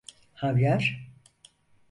Havyar…